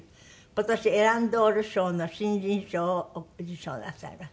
今年エランドール賞の新人賞を受賞なさいました。